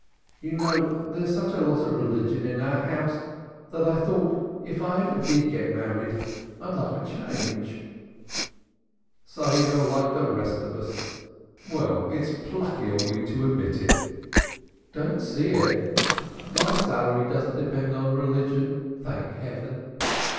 You know there's such a lot of religion in our house that I thought if I ever did get married I'd like a change." "Ha! ha! ha! So you're as the rest of us. Well, it's plucky of you to admit it." "Don't see it. My living doesn't depend on religion, thank Heaven.